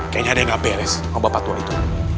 kayaknya ada yang gak beres sama bapak tua itu